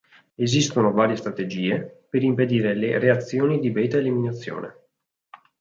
Esistono varie strategie per impedire le reazioni di beta eliminazione.